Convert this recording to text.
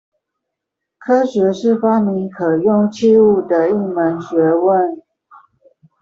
科學是發明可用器物的一門學問